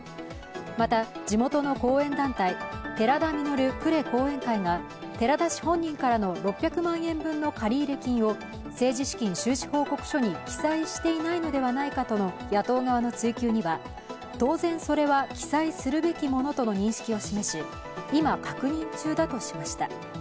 また、地元の後援団体、寺田稔呉後援会が寺田氏本人からの６００万円分の借入金を政治資金収支報告書に記載していないのではないかとの野党側の追及には、当然それは記載するべきものとの認識を示し今、確認中だとしました。